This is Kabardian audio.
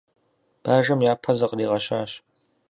Бажэм япэ зыкъригъэщащ.